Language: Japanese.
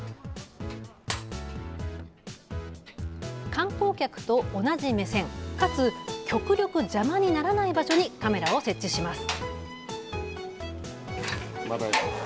観光客と同じ目線かつ極力邪魔にならない場所にカメラを設置します。